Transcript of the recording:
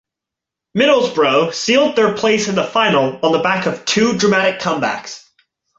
Middlesbrough sealed their place in the final on the back of two dramatic comebacks.